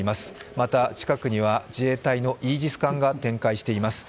また、近くには自衛隊のイージス艦が展開しています。